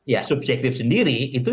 ya subjektif sendiri